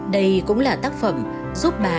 đây cũng là tác phẩm giúp bà